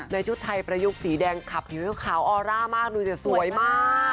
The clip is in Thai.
ชุดไทยประยุกต์สีแดงขับผิวขาวออร่ามากดูจะสวยมาก